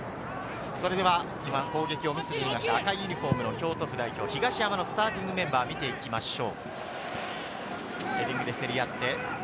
今、攻撃を見せていました赤いユニホームの京都府代表・東山のスターティングメンバーを見ていきましょう。